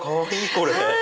これ。